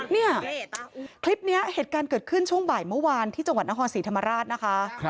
เนี่ยคลิปนี้เหตุการณ์เกิดขึ้นช่วงบ่ายเมื่อวานที่จังหวัดนครศรีธรรมราชนะคะ